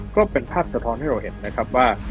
ก็เป็นภาพสะท้อนให้เราเห็นว่า